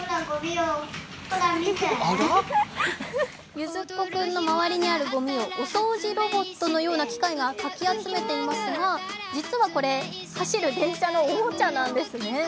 ゆづっこ君の周りにあるごみをお掃除ロボットのような機械がかき集めていますが、実はこれ、走る電車のおもちゃなんです。